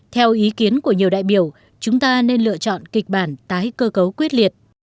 theo ý kiến của nhiều đại biểu chúng ta nên lựa chọn kịch bản tái cơ cấu quyết liệt